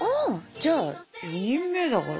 じゃあ４人目だから。